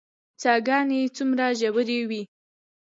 څاه ګانې څومره ژورې وي؟